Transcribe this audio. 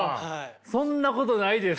そんなことないです。